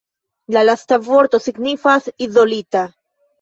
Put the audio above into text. La lasta vorto signifas "izolita".